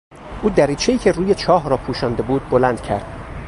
او دریچهای که روی چاه را پوشانده بود بلند کرد.